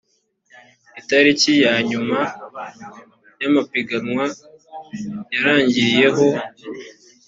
itariki ya nyuma y’ amapiganwa yarangiriyeho .